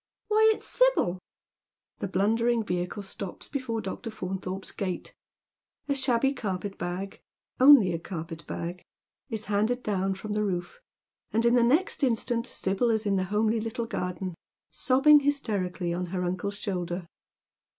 Why, it's Sibyl." The blundering vehicle stops before Dr. Faunthorpe's gate ; a shabby carpet bag — only a carpet bag — is handed down fi om the roof, and in the next instant Sibyl is in the homely Mttle garden, eobbing hysterically on her uncle's shoulder.